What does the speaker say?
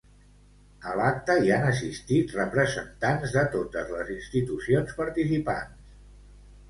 A l'acte hi han assistit representants de totes les institucions participants.